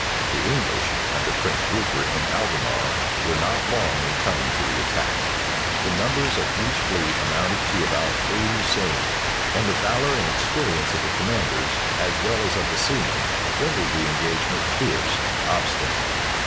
The English, under Prince Rupert and Albemarle, were not long in coming to the attack. The numbers of each fleet amounted to about eighty sail; and the valor and experience of the commanders, as well as of the seamen, rendered the engagement fierce and obstinate.